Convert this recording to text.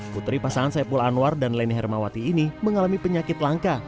putri pasangan saipul anwar dan leni hermawati ini mengalami penyakit langka